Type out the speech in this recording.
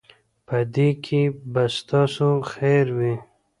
په دې کې به ستاسو خیر وي.